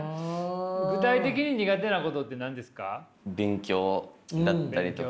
具体的に苦手なことってなんですか？